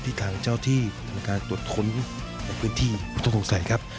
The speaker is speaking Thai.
ที่การเจ้าที่การตรวจค้นพื้นที่ผู้ต้องสงสัยครับ